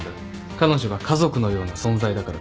彼女が家族のような存在だからか？